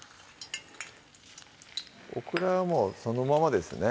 オクラはもうそのままですね